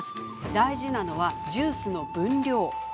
大事なのはジュースの分量。